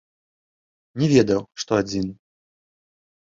Не ведаў, што адзін.